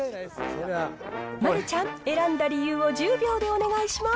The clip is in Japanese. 丸ちゃん、選んだ理由を１０秒でお願いします。